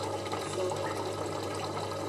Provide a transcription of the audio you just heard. Sokui.